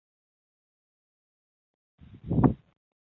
丽江杉